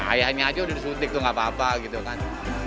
ayahnya aja udah disuntik tuh gak apa apa gitu kan